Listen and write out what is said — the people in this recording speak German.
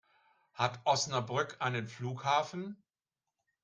Hat Osnabrück einen Flughafen?